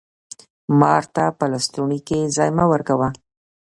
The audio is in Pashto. مار ته په لستوڼي کښي ځای مه ورکوه